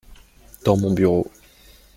Dans mon bureau.